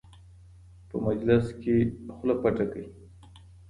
په مجلس کې خوله پټه کړئ.